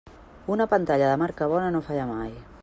Una pantalla de marca bona no falla mai.